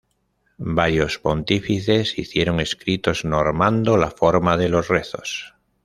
Varios Pontífices hicieron escritos normando la forma de los rezos.